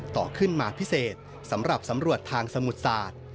ต่อขึ้นมาพิเศษสำหรับสำรวจทางสมุทรศาสตร์